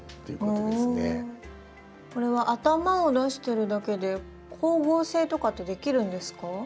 これは頭を出してるだけで光合成とかってできるんですか？